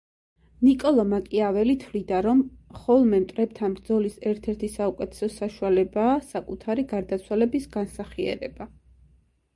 ნიკოლო მაკიაველი თვლიდა, რომ ხოლმე მტრებთან ბრძოლის ერთ-ერთი საუკეთესო საშუალებაა საკუთარი გარდაცვალების განსახიერება.